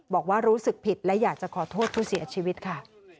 บอกว่ารู้สึกผิดและอยากจะขอโทษผู้เสียชีวิตค่ะ